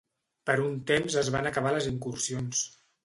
Per un temps es van acabar les incursions.